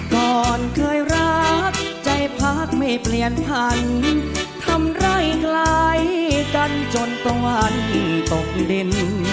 ก่อนเคยรักใจพักไม่เปลี่ยนพันทำไร่ไกลกันจนตะวันตกดิน